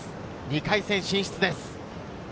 ２回戦進出です。